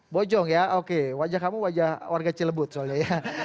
bojong ya oke wajah kamu wajah warga cilebut soalnya ya